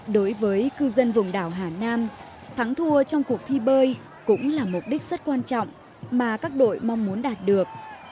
đối với cư dân vùng đảo hà nam thắng thua trong cuộc thi bơi cũng là mục đích rất quan trọng mà các đội mong muốn đạt được